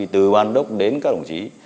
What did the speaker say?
từ ban đốc đến các đồng chí